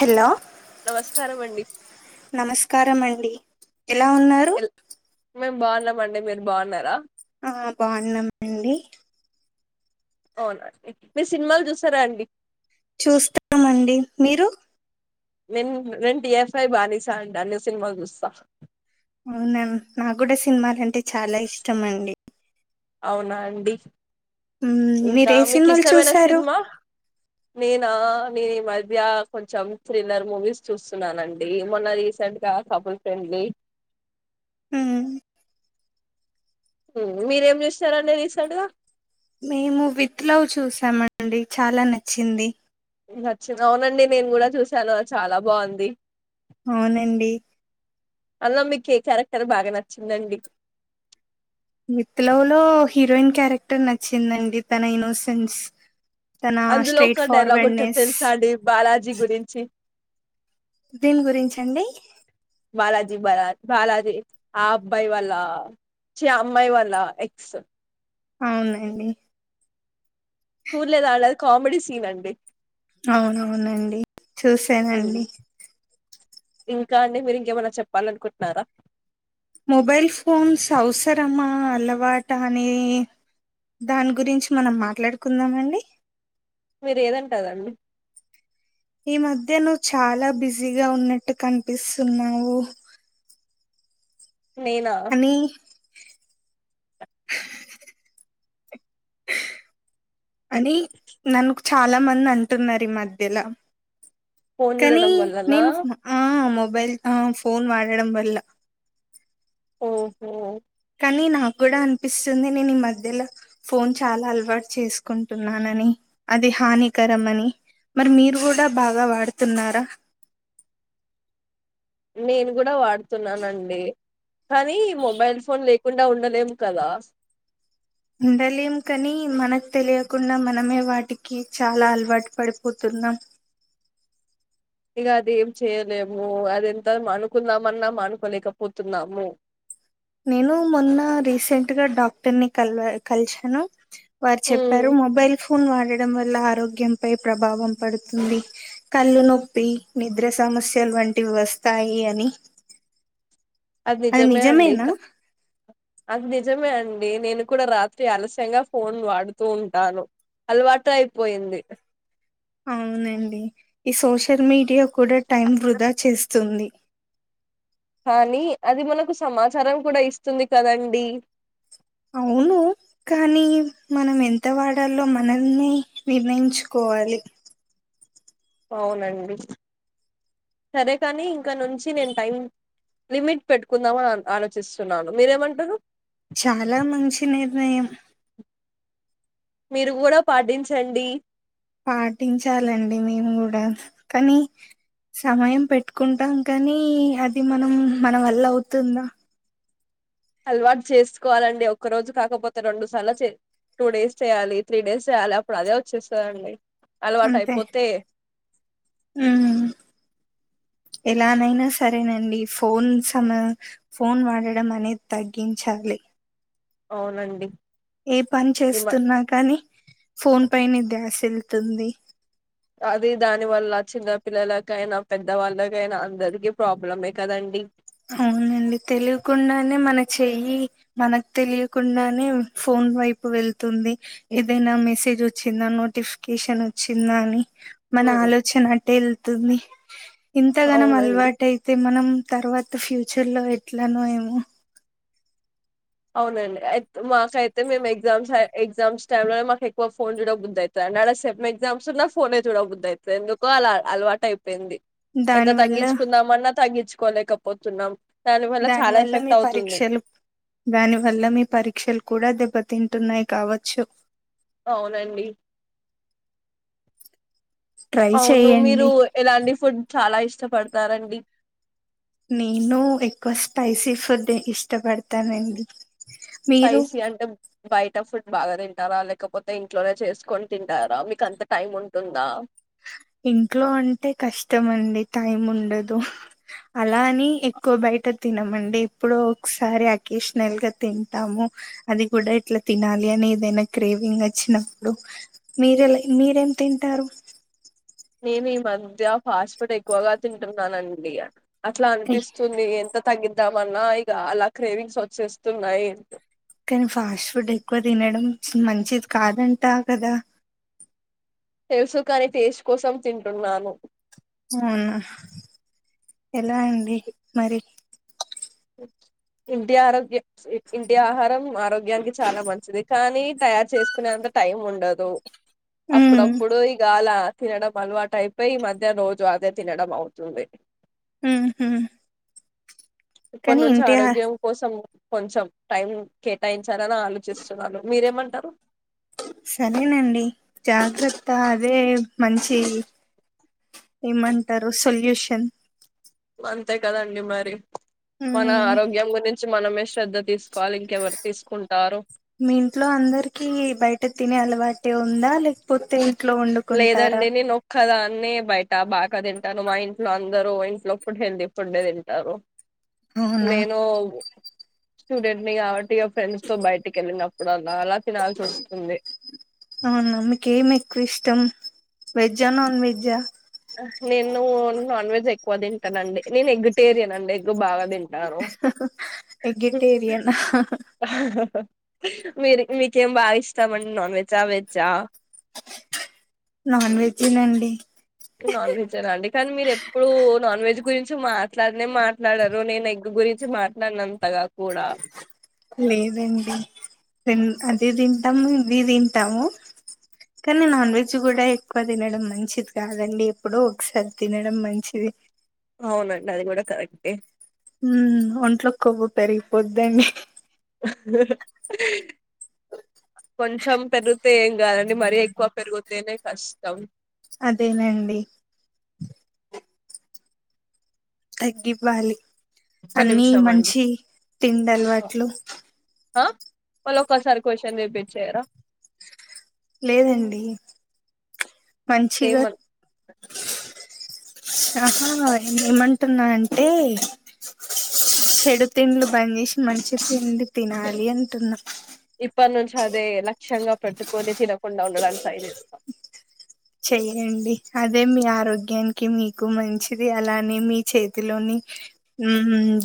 Hello నమస్కారం అండి కారం అండి ఎలా ఉన్నారు మేము బాన్నామండి మీరు బాన్నారా ఆ బాన్నామండి అవున అండి మీరు సినిమాల్ జుస్సరండి చూస్తామండి మీరు నేన్ రెన్ టీ ఎఫ్ ఐ బానిసాండ్ అన్ని సినిమాల్ జుస్సా అవునాం నా గూడా సినిమాలంటే చాలా ఇష్టం అండి అవునా అండి మ్మ్, మీరు ఇంకా ఏ సినిమాలు మీకిష్టమైన చూసారు సినిమా నేమ్ నా నెన్ ఈ మధ్య కొంచెం థ్రిల్లర్ మూవీస్ చూస్తున్నానండి. ఏమొన్న రీసెంట్ గా కపుల్ ఫ్రెండ్లీ హు హ్మ మీరేం జుసినారండి రీసెంట్గా మేము విత్ లవ్ చూసామండి చాలా నచ్చింది నచ్చిర్ రౌనండి నేను కూడా చూశాను చాలా బాంది. ఔనండి. అలా మీకే క్యారెక్టర్ బాగా నచ్చిందండి. మిత్త్ లవ్ లో హీరోయిన్ క్యారెక్టర్ నచ్చిందండి తన ఇన్నోసెన్స్. తన అందులో స్ట్రైట్ ఒక డైలాగుంటంది ఫార్వర్డ్నెస్ తెల్సా అండి బాలాజీ గురించి. దేని గురించండి. దిబాలా బాలాజీ ఆ అబ్బాయ్ వాళ్ళ ఛి అమ్మాయ్ వాళ్ళ ఎక్స్. ఔన్ లేండి. ఊర్లేదాలద్ కామెడీ సీనండి. ఔనవునండి హ్మ్. చూసానండి. ఇంకా అండి మీరు ఇంకేమన్నా చెప్పాలనుకుంటున్నారా. మొబైల్ ఫోన్స్ అవ్సరమా అలవాట అని దాన్ గురించి మనం మాట్లాడుకుందామ అండి. మీరేదంటే అదండి ఈ మధ్య నువ్ చాలా బిజీగా ఉన్నట్టు కనిపిస్సున్నావు. నేనా. అని నన్ చాలా మందంటున్నారు ఈ మధ్యల ఫోన్ కనీ చూడడం వల్లనా నేనుఫ్మ ఆ మొ బైల్ ఆ ఫోన్ వాడడం వల్ల ఓహో ని నాక్ గూడా అనిపిస్సుంది నేనిమధ్యలో ఫోన్ చాలా అలవాట్ చేసుకుంటున్నానని అది హానికరమ్ అని. మరి మీరు గూడా బాగా వాడ్ తిన్నారా. నేను గుడా వాడుతున్నానండి. కానీ మొబైల్ ఫోన్ లే కుండా ఉండలేం కదా. ఉండలేం కని మనక్ తెలియకుండా మనమే వాటికి చాలా అలవాట్ పడిపోతున్నాం. ఇగ అదేం చేయలేము అది ఎంతమ్ మానుకుందామన్నా మానుకోలేకపోతున్నాము. నేను మొన్న రీసెంట్ గా డాక్టర్ ని కల్వా కల్షాను. వార్ చెప్పారు మొబైల్ ఫ్ పున్ వాడడం వల్ల ఆరోగ్యంపై ప్రభావం. పడుతుంది. కళ్ళు నొప్పి నిద్ర సమస్యలు వంటివి వస్తాయి అని. అది నిజమే అండి క నిజమేనా. అది నిజమే అండి నేను కూడా రాత్రి ఆలస్యంగా ఫోన్ వాడుతూ ఉంటాను అల్వాటు అయ్పోయింది. అవునండి ఈ సోషల్ మీడియా కూడా టైం వృధా చేస్తుంది కానీ అది మనకు సమాచారం కూడా ఇస్తుంది కదండి అవును కానీ మనం ఎంత వాడాలో మనల్ని నిర్ణయించుకోవాలి అవునండి సరే కానీ ఇంకా నుంచి నేను టైం లిమిట్ పెట్టుకుందామని ఆలోచిస్తున్నాను మీరేమంటారు చాలా మంచి నిర్ణయం మీరు కూడా పాటించండి పాటించాలండి మేము కూడా కానీ సమయం పెట్టుకుంటాం కానీ అది మనం మన వల్ల అవుతుందా అలవాటు చేసుకోవాలండి ఒక్క రోజు కాకపోతే రెండు సార్ టూ డేస్ చేయాలి త్రీ డేస్ చేయాలి అప్పుడు అదే వచ్చేస్తుందండి అంతే ఉమ్ ఎలానైనా సరేనండి ఫోన్ సమ ఫోన్ వాడడం అనేద్ తగ్గించాలి. ఔనండి ఏ పని చేస్తున్నా కానీ ఫోన్ పైనే ధ్యాస్ వెళ్తుంది అది దాని వల్ల చిన్నపిల్లలకైనా పెద్దవాళ్ళకైనా అందరికీ ప్రాబ్లమే కదండి అవునండి తెలియకుండానే మన చెయ్యి మనకు తెలియకుండానే ఫోన్ వైపు వెళ్తుంది ఏదైనా మెసేజ్ వచ్చిందా నోటిఫికేషన్ వచ్చిందా అని మన ఉమ్, ఆలోచనా ట వెళ్తుంది ఇంతగానం అవునండి అలవాట అయితే మనం తరువాత ఫ్యూచర్ లో ఎట్లాన ఏమో అవునండియితే మాకైతే మేము ఎగ్జామ్స్ ఎగ్జామ్స్ టైమ్ లోనే మాకు ఎక్కువ ఫోన్ చూడక బుదైతది అండ్ అడ సెమ్ ఎగ్జామ్స్ ఉన్న ఫోనే చూడబుద్దాయితది ఎందుకో అలా అలవాటు యింది ఎంత దాని వల్ల తగ్గించుకుందామన్నా తగ్గించు కోలేకపోతున్నాం దాని వల్ల మీ పరీక్షలు దాని వల్ల మీ పరీక్షలు కూడా దెబ్బతింటున్నాయి కావచ్చు అవునండి ట్రై అవును మీరు చేయండి ఎలాంటి ఫుడ్ చాలా ఇష్టపడతారండి నేను ఎక్కువ స్పైసీ ఫుడ్ ఇష్టపడతానండి మీరు స్పైసీ అంటే బయట ఫుడ్ బాగా తింటారా లేకపోతే ఇంట్లోనే చేసుకొని తింటారా మీక అంత టైం ఉంటుందా ఇంట్లో అంటే కష్టమండి టైం ఉండదు అలాని ఎక్కువ బయట తినమండి ఎప్పుడో ఒకసారి అకేషనల్గా తింటాము అది కూడా ఇట్లా తినాలి అని ఏదైనా క్రేవింగ్ వచ్చినప్పుడు మీరలా మీరేం తింటారు నేను ఈ మధ్య ఫాస్ట్ ఫుడ్ ఎక్కువగా తింటున్నానండి అట్లా అయ్, అనిపిస్తుంది ఎంత తగ్గిద్దామన్నా ఇక అలా క్రేవింగ్స్ వచ్చేస్తున్నాయి కానీ ఫాస్ట్ ఫుడ్ ఎక్కువ తినడం మంచిది కాదంటా కదా తెలుసు కాని టేస్ కోసం తింటున్నాను అవునా ఎలా అండి మరి ఇంటి ఆరోగ్య ఇంటి ఆహారం ఆరోగ్యానికి చాలా మంచిది కానీ తయారు చేసుకునేంత టైం ఉండదు ఉమ్ అప్పుడప్పుడు ఇగ అలా తినడం అలవాటు అయిపోయి. ఈ మధ్య రోజు అదే తినడం అవుతుంది. హ్ హు ఇప్పటి నుంచి ఆరోగ్యం కోసం కొంచెం టైం కేటాయించాలని ఆలోచిస్తున్నాను. మీరేమంటారు సరేనండి జాగ్రత్త అదే మంచి ఏమంటారు. సొల్యూషన్ అంతే కదా అండి. మరి మన ఉమ్ ఆరోగ్యం గురించి మనమే శ్రధ తీసుకోవాలి ఇంకెవరు తీసుకుంటార మీ ఇంట్లో అందరికి బయట తినే అలవాటె ఉందా లేకపోతే ఇంట్లో వండుకుంటారా లేదండి. నేను ఒక్కదా న్నే బయట బాగా తింటాను. మా ఇంట్లో అందరు ఇంట్లో ఫ హెల్దీ ఫుడ్డే తింటారు. అవునా నేను స్టూడెంట్ నీ కాబట్టి ఇగ ఫ్రెండ్స్తో బయటకి వెళ్ళిన [unintelligible] ఆవున మికు ఏం ఎక్కువ ఇష్ ష్టం వెజ్జా నాన్ వెజ్జ నేను నాన్ వెజ్ ఎక్కువ తింటాను అండి. నేను ఎగ్ టేరియన్ అండి. ఎగ్ బాగా తింటా యార్ వెజిటేరియనా మీర్ మీకు ఎం బాగా ఇష్టం అండి నాన్ వెజ్జా వెజ్జ నాన్ వెజ్జే నండి. నాన్ వెజ్జేనా అండి. కానీ మీరు ఎప్పుడు నాన్ వెజ్జ్ గురించి మాట్లాడినే మాట్లాడరు. నేను ఎగ్ గురించి మాట్లాడిన అంతగా కూడా లేదండి. తిమ్ అది తింటాము ఇది తింటాము కానీ నాన్ వెజ్ కూడా ఎక్కువ తినడం మంచిది కాదండి. ఎప్పుడో ఒకసారి తినడం మంచిది. అవునండి అది కూడా కరెట్టే హ్ ఒంట్లో కొవ్యు పెరిగిపోద్దండి. కొంచెం పెరూగుతే ఏం కాదండి. మరీ ఎక్కువ పెరిగుతేనే కష్టం. అదేనండి అగ్గి పలి ఒక్క అన్ని నిమిషం అండి మంచి తిండి అలవాట్లు ఆ మాళ్ళ ఒక్కసారి క్వశ్చన్ రపిట్ చేయరా లేదండి. మంచిగా ఏమన్ ఆహా ఏమంటున్నా అంటే చెడు తిండ్లు బందు చేసి మంచి తిండి తినాలి. అంటున్నా అప్పటి నుంచి అదే లక్ష్యంగా పెట్టుకొని తినకుండా ఉండడానికి ట్రై చేస్తా చెయ్యండి. అదే మీ ఆరోగ్యానికి మీకు మంచిది అలానే మీ చేతిలోని ఉ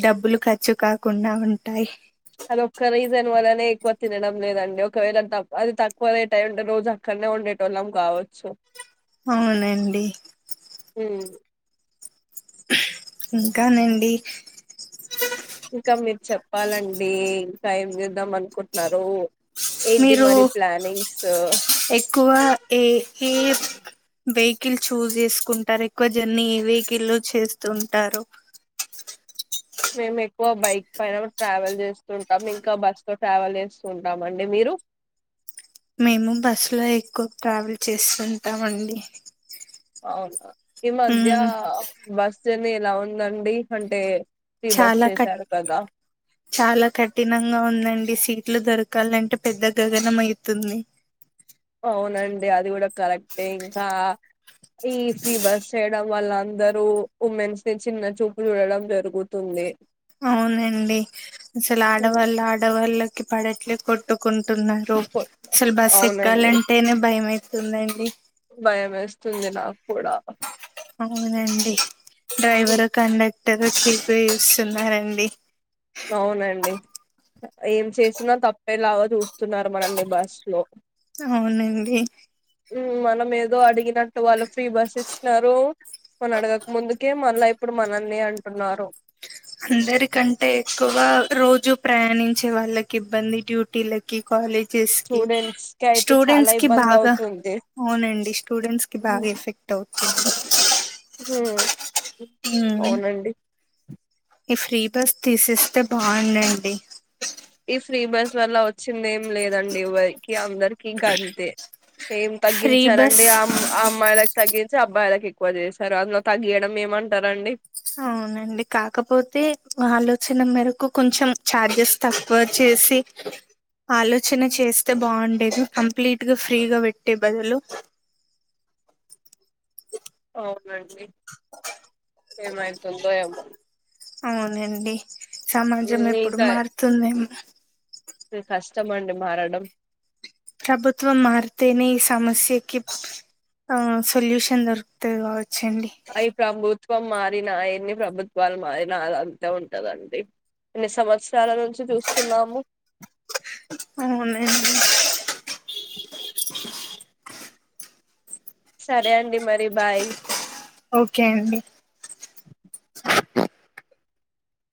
డబ్బులు ఖర్చు కాకుండా ఉంటాయి. అది ఒక్క రీజన్ వల్లనే ఎక్కువ తినడం. లేదండి ఒకవేళ అది తక్కువ రేట్ ఏంటే రోజు అక్కడనే ఉండేటోళ్ళం కావచ్చు. అవుననాండి. హ్మ్. ఇంకానండి. ఇంకా మీరు చెప్పాలండి. ఇంకా ఏం చేద్దాం అనుకుంటున్నారు. ఏంటి మీరు మరి ప్లానింగ్స్ ఎక్కువ ఏ ఏ వెకిల్ చూజ్ చేసుకుంటారు. ఎక్కువ జర్నీ ఏ వెకిల్ చేస్తుంటారు. మేము ఎక్కువ బైక్ పైన ట్రావెల్ చేస్తు ఉంటాం ఇంకా బస్ లో ట్రావెల్ చేస్తూ ఉంటామ అండి మీరు మేము బస్సు లో ఎక్కువ ట్రావెల్ చేస్తుంటామ అండి అవును ఈ మధ్య బస్ ఎలా ఉందండి అంటే ఫ్రీ బస్ చాలా క చేశారు కదా చాలా కఠినంగా ఉందండి సీట్ సీట్లు దొరకాలంటే పెద్ద గగనం అయితుంది అవునండి అది కూడా కరెక్టే ఇంకా ఈ ఫ్రీ బస్ చేయడం వల్ల అందరూ ఉమెన్స్ ని చిన్న చూపు చూడడం జరుగుతుంది అవునండి అసలు ఆడవాళ్ళు ఆడవాళ్ళ పడట్లే కొట్టుకు టున్నారు అసల్ బస్ అవునండి ఎక్కాలంటేనే భయ ఉందండి భయం వేస్తుంది నాకు కూడా అవునండి డ్రైవర్ కండక్ట్ బట్ట పోయి చూస్తున్నారండి అవునండి ఏం చేసినా తప్పేలాగా చూస్తున్నారు మనల్ని బస్సు లో అవునండి ఉమ్ మనం ఏదో అడిగినట్టు వాళ్ళు ఫ్రీ బస్ ఇచ్చినారు మన అడగక ముందుకే మళ్ళా ఇప్పుడు మనల్ని అంటున్నారు అందరి కంటే ఎక్కువ రోజు రోజు ప్రయాణించే వాళ్ళకి ఇబ్బంది డ్యూటీలకి కాలేజెస్ కి స్టూడెంట్స్ కి అయితే చాలా స్టూడెంట్స్ కి ఇబ్బంది బాగా అవుతుంది అవునండి స్టూడెంట్స్ కి బాగా ఎఫెక్ట్ అవుతుంది ఉమ్ ఉమ్, అవునండి ఈ ఫ్రీ బస్ తీసిస్తే బాగుందండి ఈ ఫ్రీ బస్ వల్ల వచ్చింది లేదండి ఎవరికి అందరికి ఇంకా అంతే ఏం ఫ్రీ బస్ తగ్గించారండి ఆమ్ ఆ అమ్మాయిల తగ్గించి అబ్బాయిలకు ఎక్కువ చేశారు అందులో తగ్గియడం ఏమంటారండి అవునండి కాకపోతే ఆలోచన మేరకు కొంచెం చార్జెస్ తక్కువ చేసి ఆలోచన చేస్తే బాగుండేది, కంప్లీట్ గా ఫ్రీగా పెట్టే బదులు. అవునండి ఏమైతుందో ఏమో అవునండి సమాజం ఎప్పుడు మారుతుందేమో ఇగ్ కష్టమండి మారడం ప్రభుత్వం మార్తేనే ఈ సమస్యకి ఆ సొల్యూషన్ దొరుకుతది, గావ అయి ప్రంభు త్వం మారినా యెన్ని ప్రభుత్వాలు మారినా అది అంతే ఉంటాదండి అన్ని సంవత్స్ చాలా నుంచి చూస్తున్నాము అవునండి సరే అండి మరి బాయ్ ఓకే అండి